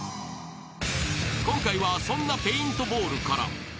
［今回はそんなペイントボールから］